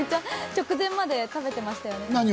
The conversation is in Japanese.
直前まで食べてましたよね？